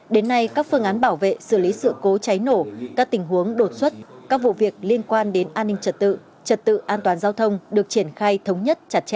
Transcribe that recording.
đến nay các phương án bảo vệ xử lý sự cố cháy nổ các tình huống đột xuất các vụ việc liên quan đến an ninh trật tự trật tự an toàn giao thông được triển khai thống nhất